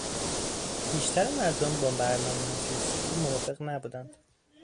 بیشتر مردم با برنامههای سیاسی او موافق نبودند.